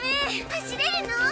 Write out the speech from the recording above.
走れるの？